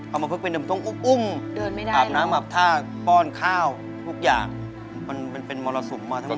เอามาเป็นเดิมต้งอุ้งอุ้งอาบน้ำอาบทาป้อนข้าวทุกอย่างมันเป็นมรสุมมาทั้งหมด